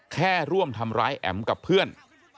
แค่ร่วมทำร้ายแอ๋มกับเพื่อน